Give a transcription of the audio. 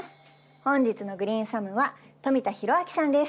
本日のグリーンサムは富田裕明さんです。